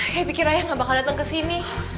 kay pikir ayah gak bakal datang kesini